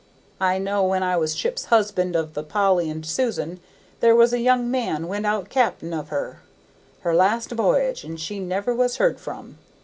I know when I was ship's husband of the Polly and Susan there was a young man went out cap'n of her, her last voyage, and she never was heard from.